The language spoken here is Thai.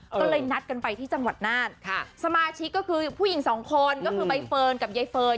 ก็เลยนัดกันไปที่จังหวัดน่านค่ะสมาชิกก็คือผู้หญิงสองคนก็คือใบเฟิร์นกับใยเฟิร์น